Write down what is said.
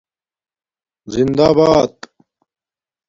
زندہ بات